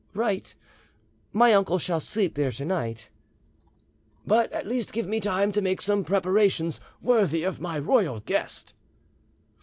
"Right. My uncle shall sleep there to night." "But at least give me time to make some preparations worthy of my royal guest."